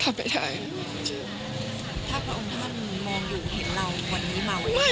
ถ้าพระองค์ท่านมองอยู่เห็นเราวันนี้มาไว้